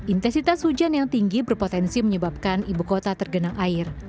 intensitas hujan yang tinggi berpotensi menyebabkan ibu kota tergenang air